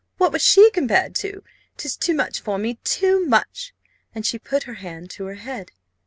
What was she compared to? 'Tis too much for me too much!" and she put her hand to her head.